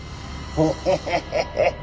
ヒハハハハハ！